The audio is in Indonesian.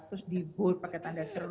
terus dibolt pakai tanda seru